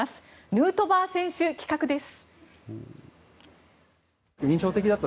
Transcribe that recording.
ヌートバー選手企画です。